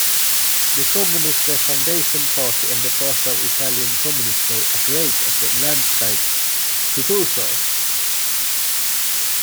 The Communist Refoundation Party and Party of Italian Communists were outraged at Landsbergis' proposal.